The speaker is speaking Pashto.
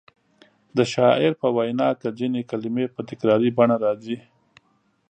د شاعر په وینا کې ځینې کلمې په تکراري بڼه راځي.